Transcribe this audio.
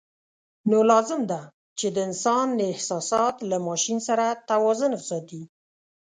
نو لازم ده چې د انسان احساسات له ماشین سره توازن وساتي.